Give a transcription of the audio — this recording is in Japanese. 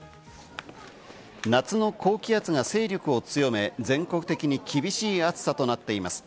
夏の高気圧が勢力を強め、全国的に厳しい暑さとなっています。